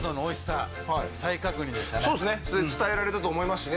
伝えられたと思いますしね